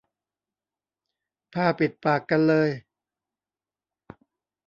ผ้าปิดปากกันเลย